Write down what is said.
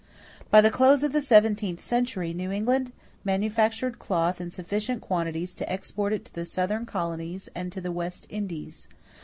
By the close of the seventeenth century, New England manufactured cloth in sufficient quantities to export it to the Southern colonies and to the West Indies.